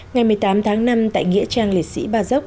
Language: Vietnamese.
ngày một mươi tám tháng năm tại nghĩa trang liệt sĩ ba dốc